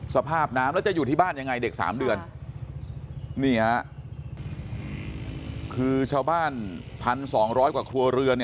สภาพน้ำแล้วจะอยู่ที่บ้านยังไงเด็ก๓เดือนนี่ฮะคือชาวบ้าน๑๒๐๐กว่าครัวเรือน